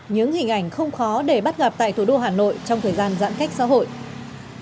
những hình ảnh không khó để bắt gặp tại thủ đô hà nội trong thời gian giãn cách xã hội